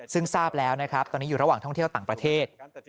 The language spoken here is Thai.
ซึ่งทราบแล้วนะครับตอนนี้อยู่ระหว่างท่องเที่ยวต่างประเทศ